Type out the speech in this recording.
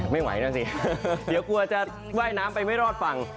ไม่ไหวนะสิเดี๋ยวกลัวจะว่ายน้ำไปไม่รอดฝั่ง